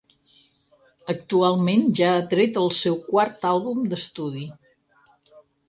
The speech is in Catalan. Actualment ja ha tret el seu quart àlbum d'estudi.